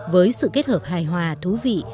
với sự kết hợp hài hòa thú vị